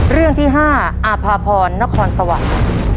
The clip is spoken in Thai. เรื่องที่๕อาภาพรนครสวรรค์